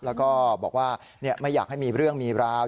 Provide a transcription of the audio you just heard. แล้วก็บอกว่าไม่อยากให้มีเรื่องมีราว